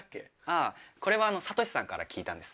あこれは悟志さんから聞いたんです。